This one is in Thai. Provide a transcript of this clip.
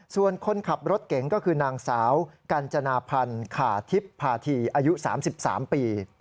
ส่วนคนขับรถเก๋งก็คือนางสาวกัญจนาพันธ์ขาทิพย์พาธีอายุ๓๓ปี